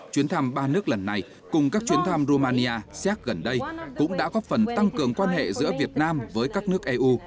chuyến thăm ba nước lần này cùng các chuyến thăm romania xéc gần đây cũng đã góp phần tăng cường quan hệ giữa việt nam với các nước eu